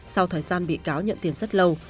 sau thời gian bị cáo nhận tiền rất lâu